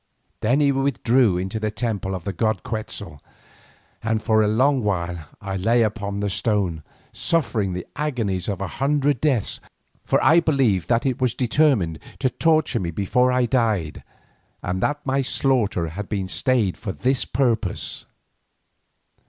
Then he withdrew into the temple of the god Quetzal, and for a long while I lay upon the stone suffering the agonies of a hundred deaths, for I believed that it was determined to torture me before I died, and that my slaughter had been stayed for this purpose.